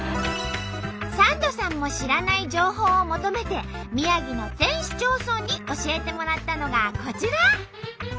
サンドさんも知らない情報を求めて宮城の全市町村に教えてもらったのがこちら。